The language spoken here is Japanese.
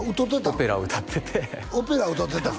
オペラを歌っててオペラ歌うてたん？